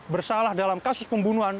bersalah dalam kasus pembunuhan